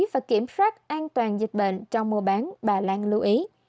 và kiểm soát an toàn dịch bệnh trong mùa bán bà lan lưu ý